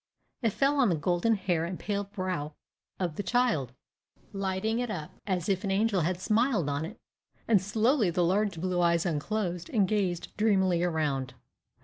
It fell on the golden hair and pale brow of the child, lighting it up as if an angel had smiled on it; and slowly the large blue eyes unclosed, and gazed dreamily around.